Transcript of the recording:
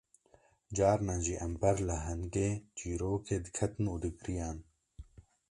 Carnan jî em ber lehengê çîrokê diketin û digiriyan